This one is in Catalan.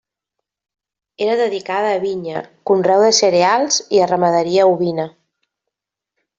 Era dedicada a vinya, conreu de cereals i a ramaderia ovina.